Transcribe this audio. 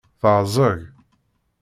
Teɛẓeg?